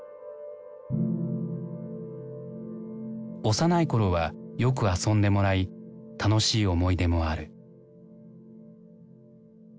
幼い頃はよく遊んでもらい楽しい思い出もある。